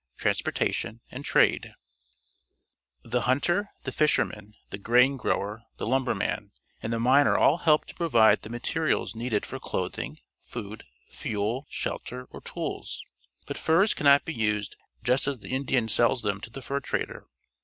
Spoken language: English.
TRANSPORTATION", AND TRADE The hunter, the fisherman, the grain grower, the lumberman, and the miner all help to pro^'ide the materials needed for clothing, food, fuel, shelter, or tools. But furs cannot be used just as the Indian sells them to the fur trader.